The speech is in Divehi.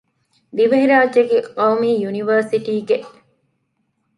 ދިވެހިރާއްޖޭގެ ޤައުމީ ޔުނިވަރސިޓީގެ